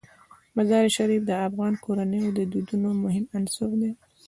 مزارشریف د افغان کورنیو د دودونو مهم عنصر دی.